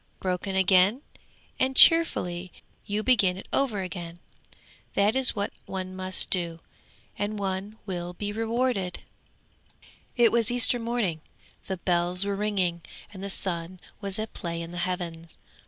Broken again and cheerfully you begin it over again. That is what one must do, and one will be rewarded!" 'It was Easter morning, the bells were ringing, and the sun was at play in the heavens.